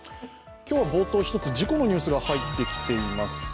今日は冒頭、１つ事故のニュースが入ってきています。